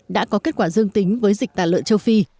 đã có kết quả dương tính với dịch tả lợn châu phi